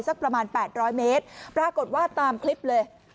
สักประมาณ๘๐๐เมตรปรากฏว่าตามคลิปเลย